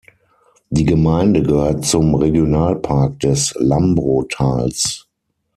Die Gemeinde gehört zum Regionalpark des Lambro-Tals.